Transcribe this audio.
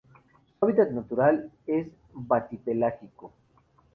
Su hábitat natural es batipelágico.